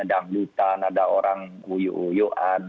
ada anggutan ada orang huyu uyuan